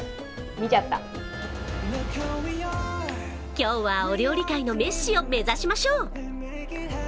今日はお料理界のメッシを目指しましょう。